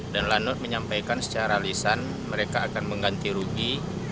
lanut menyampaikan secara lisan mereka akan mengganti rugi